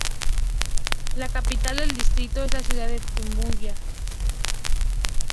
La capital del distrito es la ciudad de Tubinga.